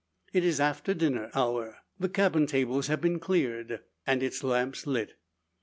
It is after dinner hour; the cabin tables have been cleared, and its lamps lit.